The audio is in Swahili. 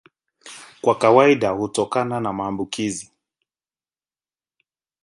Kwa kawaida hutokana na maambukizi.